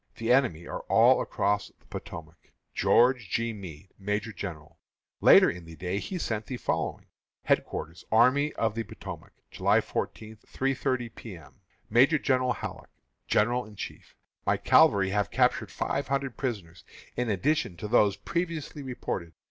The enemy are all across the Potomac. GEORGE G. MEADE, Major General. Later in the day he sent the following: HEADQUARTERS ARMY OF THE POTOMAC, July 14, 3.30 P. M. Major General Halleck, General in Chief: My cavalry have captured five hundred prisoners, in addition to those previously reported.